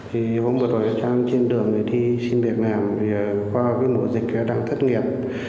hôm vừa tôi ở trang trên đường đi xin việc làm qua mùa dịch đang thất nghiệp